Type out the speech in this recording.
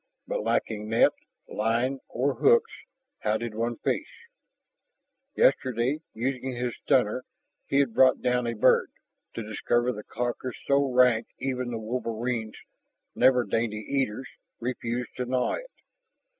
But lacking net, line, or hooks, how did one fish? Yesterday, using his stunner, he had brought down a bird, to discover the carcass so rank even the wolverines, never dainty eaters, refused to gnaw it.